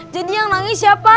jadi yang nangis siapa